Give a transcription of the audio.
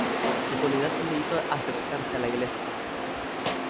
Su soledad le hizo acercarse a la iglesia.